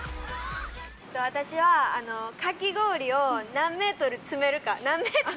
私はかき氷を何メートル積めるか、何メートル？